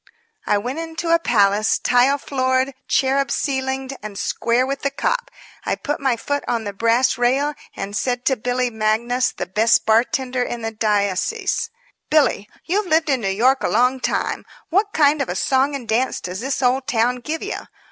I went into a palace, tile floored, cherub ceilinged and square with the cop. I put my foot on the brass rail and said to Billy Magnus, the best bartender in the diocese: "Billy, you've lived in New York a long time what kind of a song and dance does this old town give you?